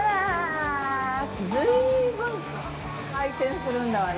随分回転するんだわね。